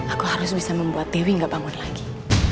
aku harus bisa membuat dewi enggak bangun lagi